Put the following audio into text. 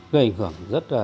gây ảnh hưởng rất là